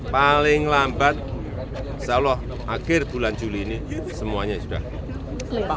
paling lambat insyaallah akhir bulan juli ini semuanya sudah jalan